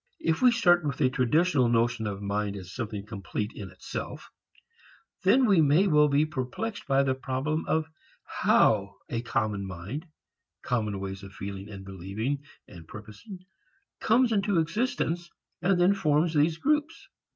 If we start with the traditional notion of mind as something complete in itself, then we may well be perplexed by the problem of how a common mind, common ways of feeling and believing and purposing, comes into existence and then forms these groups.